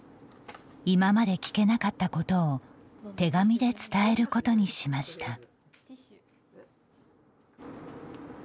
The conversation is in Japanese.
今まで聞けなかったことを手紙で伝えることにしました。